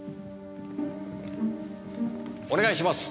お願いします。